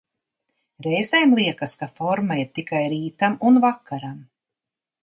Reizēm liekas, ka forma ir tikai rītam un vakaram.